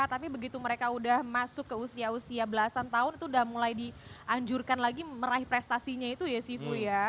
tapi begitu mereka udah masuk ke usia usia belasan tahun itu udah mulai dianjurkan lagi meraih prestasinya itu ya sifu ya